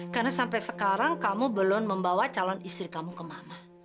karena sampai sekarang kamu belum membawa calon istri kamu ke mama